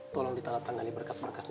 tolong ditanam tangan di berkas berkasnya